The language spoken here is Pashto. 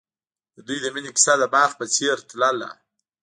د دوی د مینې کیسه د باغ په څېر تلله.